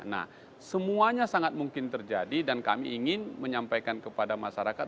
nah semuanya sangat mungkin terjadi dan kami ingin menyampaikan kepada masyarakat